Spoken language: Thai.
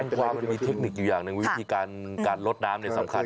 ความมันมีเทคนิคอยู่อย่างหนึ่งวิธีการลดน้ำเนี่ยสำคัญ